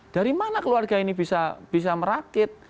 dari mana keluarga ini bisa merakit